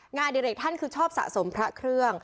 อดิเรกท่านคือชอบสะสมพระเครื่อง